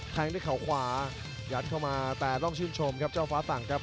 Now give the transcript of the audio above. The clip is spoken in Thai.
แทงด้วยเขาขวายัดเข้ามาแต่ต้องชื่นชมครับเจ้าฟ้าสั่งครับ